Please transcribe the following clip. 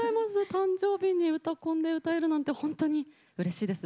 誕生日に「うたコン」で歌えるなんてうれしいです。